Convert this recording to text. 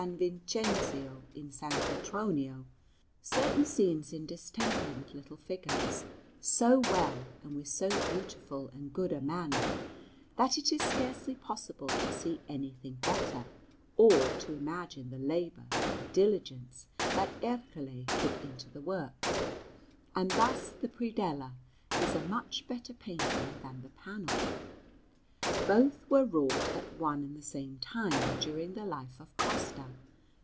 Vincenzio in S. Petronio, certain scenes in distemper with little figures, so well and with so beautiful and good a manner, that it is scarcely possible to see anything better, or to imagine the labour and diligence that Ercole put into the work: and thus the predella is a much better painting than the panel. Both were wrought at one and the same time during the life of Costa.